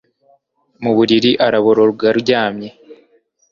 Mu buriri araboroga aryamye